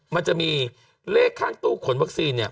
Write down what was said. มันจะมีเลขข้างตู้ขนวัคซีนเนี่ย